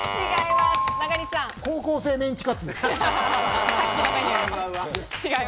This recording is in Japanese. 高校生メンチカツ。